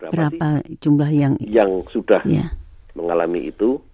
berapa jumlah yang sudah mengalami itu